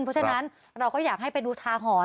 เพราะฉะนั้นเราก็อยากให้ไปดูทาหอน